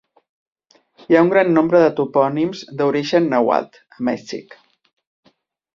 Hi ha un gran nombre de topònims d'origen nàhuatl a Mèxic.